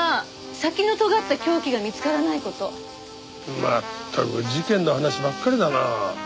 まったく事件の話ばっかりだな。